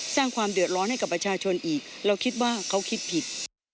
สร้างความเดือดร้อนให้กับประชาชนอีกเราคิดว่าเขาคิดผิด